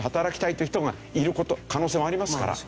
という人がいる可能性もありますから。